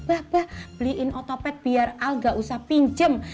bapak beliin otopet biar al nggak usah pinjem